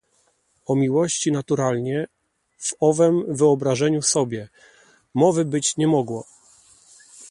"O miłości naturalnie, w owem „wyobrażeniu sobie“ mowy być nie mogło."